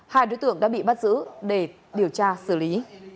hai đối tượng đã bị bắt giữ để điều tra xử lý